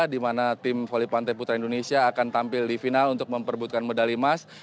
di mana tim voli pantai putra indonesia akan tampil di final untuk memperbutkan medali emas